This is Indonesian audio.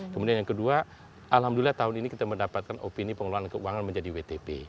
kemudian yang kedua alhamdulillah tahun ini kita mendapatkan opini pengelolaan keuangan menjadi wtp